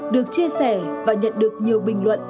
được chia sẻ và nhận được nhiều bình luận